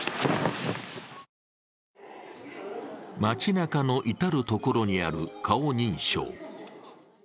街なかの至る所にある顔認証。